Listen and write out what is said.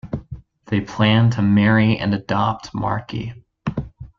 They plan to marry and adopt Marky.